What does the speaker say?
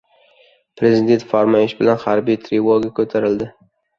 Prezident farmoyishi bilan harbiy trevoga ko‘tarildi